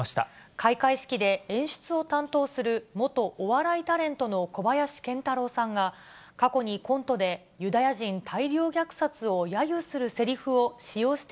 開会式で演出を担当する元お笑いタレントの小林賢太郎さんが、過去にコントで、や起きた異例の事態。